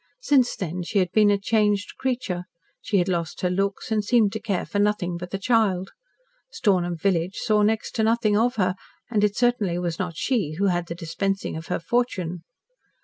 Since then she had been a changed creature; she had lost her looks and seemed to care for nothing but the child. Stornham village saw next to nothing of her, and it certainly was not she who had the dispensing of her fortune.